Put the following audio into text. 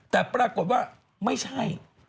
แต่ปรากฏว่าไม่ใช่